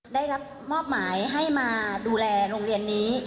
ได้รับมอบหมายให้มาดูแลโรงเรียนนี้